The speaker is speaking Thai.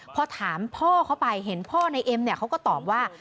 พอถามพ่อเขาไปเห็นพ่อในเอ็มเนี่ยเขาก็ตอบว่า